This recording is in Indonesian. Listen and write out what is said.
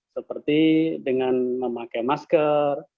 seperti dengan memakai masker